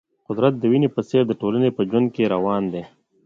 قدرت د وینې په څېر د ټولنې په ژوند کې روان دی.